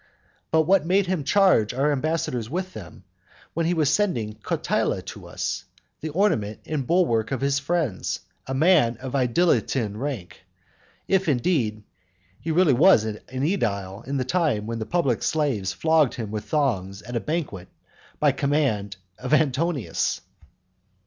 But what made him charge our ambassadors with them when he was sending Cotyla to us, the ornament and bulwark of his friends, a man of aedilitian rank? if, indeed, he really was an aedile at the time when the public slaves flogged him with thongs at a banquet by command of Antonius.